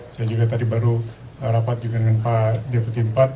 saya juga tadi baru rapat juga dengan pak deputi iv